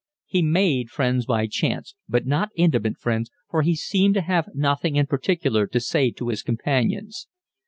He made friends by chance, but not intimate friends, for he seemed to have nothing in particular to say to his companions.